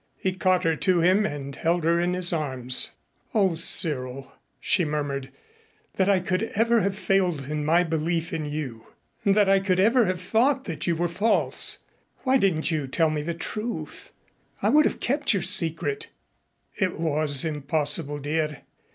He caught her to him and held her in his arms. "O Cyril," she murmured, "that I could ever have failed in my belief in you, that I could ever have thought that you were false! Why didn't you tell me the truth? I would have kept your secret." "It was impossible, dear.